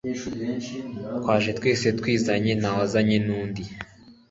twaje twese twizanye ntawazanye nundi